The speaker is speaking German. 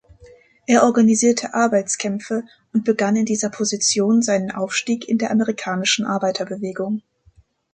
Er organisierte Arbeitskämpfe und begann in dieser Position seinen Aufstieg in der amerikanischen Arbeiterbewegung.